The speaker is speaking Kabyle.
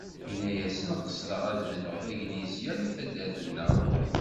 Yenna-yasen qesdeɣ ad bnuɣ taglisya deg taddart-a-nneɣ.